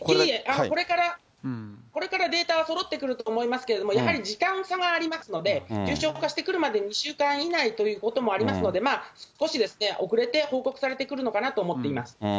これからデータはそろってくると思いますけれども、やはり時間差がありますので、重症化してくるまでに２週間以内ということもありますので、まあ、少しですね、遅れて報告されてくるのかなと思っています。